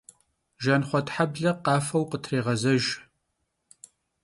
Jjanxhuetheble khafeu khıtrêğezejj.